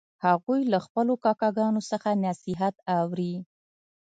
هغوی له خپلو کاکاګانو څخه نصیحت اوري